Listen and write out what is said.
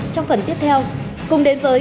trong phần tiếp theo cùng đến với